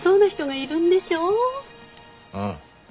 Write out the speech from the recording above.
うん。